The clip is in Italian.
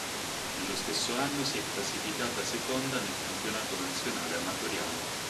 Nello stesso anno si è classificata seconda nel campionato nazionale amatoriale.